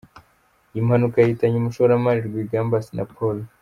Iyi mpanuka yahitanye umushoramari Rwigamba Assinapol.